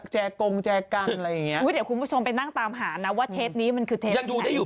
แจกงแจกลางอะไรอย่างเงี้ย